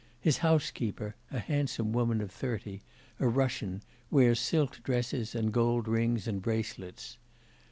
His housekeeper, a handsome woman of thirty, a Russian, wears silk dresses and gold rings and bracelets.